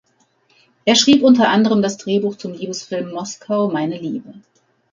Er schrieb unter anderem das Drehbuch zum Liebesfilm "Moskau, meine Liebe".